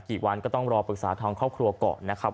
กี่วันก็ต้องรอปรึกษาทางครอบครัวก่อนนะครับ